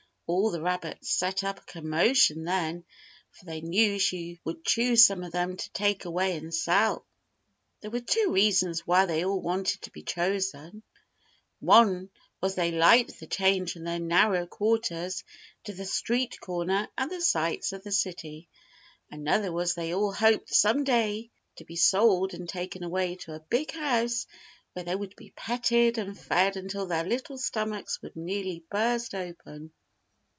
All the rabbits set up a commotion then, for they knew she would choose some of them to take away and sell. There were two reasons why they all wanted to be chosen. One was they liked the change from their narrow quarters to the street corner and the sights of the city. Another was they all hoped some day to be sold and taken away to a big house where they would be petted and fed until their little stomachs would nearly burst open.